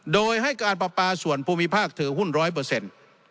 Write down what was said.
โดยให้การประปาส่วนภูมิภาคถือหุ้น๑๐๐